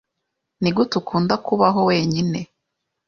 Nigute ukunda kubaho wenyine?